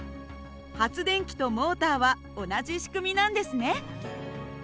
発電機とモーターは同じ仕組みなんですね。